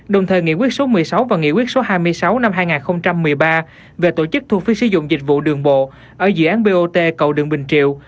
đồng thời nghị quyết số một mươi sáu và nghị quyết số hai mươi sáu năm hai nghìn một mươi ba về tổ chức thu phí sử dụng dịch vụ đường bộ ở dự án bot cầu đường bình triều